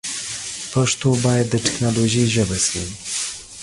پښتو باید د ټیکنالوژي ژبه سی.